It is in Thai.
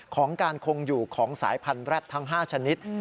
ของการคงอยู่ของสายพันธุแร็ดทั้ง๕ชนิด